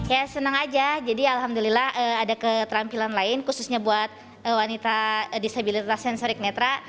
ya senang aja jadi alhamdulillah ada keterampilan lain khususnya buat wanita disabilitas sensorik netra